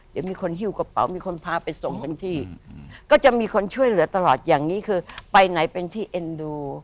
เดี๋ยวมีคนหิ้วกระเป๋ามีคนพาไปส่งเต็มที่ก็จะมีคนช่วยเหลือตลอดอย่างนี้คือไปไหนเป็นที่เอ็นดู